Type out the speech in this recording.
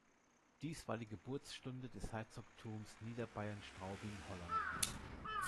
Dies war die Geburtsstunde des Herzogtums Niederbayern-Straubing-Holland.